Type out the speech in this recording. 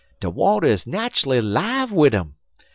De water is natchully 'live wid um.